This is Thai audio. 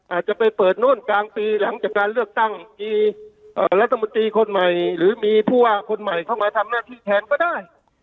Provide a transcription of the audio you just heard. อาจจะไปเปิดโน่นกลางปีหลังจากการเลือกตั้งมีรัฐมนตรีคนใหม่หรือมีผู้ว่าคนใหม่เข้ามาทำหน้าที่แทนก็ได้